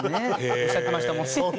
おっしゃってましたもんね。